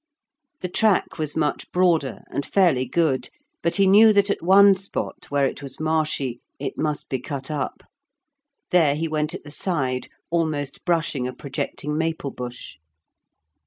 The track was much broader and fairly good, but he knew that at one spot where it was marshy it must be cut up. There he went at the side, almost brushing a projecting maple bush.